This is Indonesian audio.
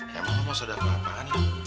emang lo mau sedakoh apaan ya